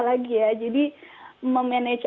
lagi ya jadi memanage